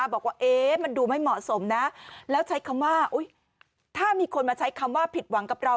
บอกว่ามันดูไม่เหมาะสมนะแล้วใช้คำว่าถ้ามีคนมาใช้คำว่าผิดหวังกับเรา